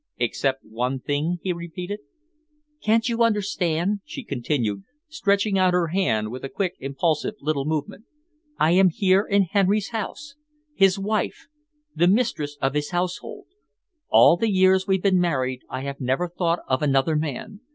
"Except one thing?" he repeated. "Can't you understand?" she continued, stretching out her hand with a quick, impulsive little movement. "I am here in Henry's house, his wife, the mistress of his household. All the years we've been married I have never thought of another man.